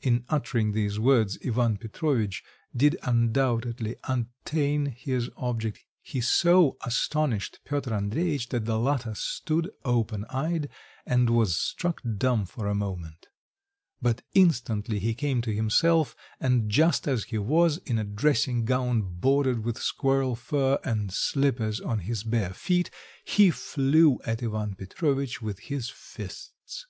In uttering these words Ivan Petrovitch did undoubtedly attain his object; he so astonished Piotr Andreitch that the latter stood open eyed, and was struck dumb for a moment; but instantly he came to himself, and just as he was, in a dressing gown bordered with squirrel fur and slippers on his bare feet, he flew at Ivan Petrovitch with his fists.